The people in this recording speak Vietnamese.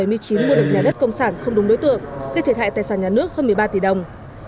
mua được nhà đất công sản không đúng đối tượng gây thiệt hại tài sản nhà nước hơn một mươi ba tỷ đồng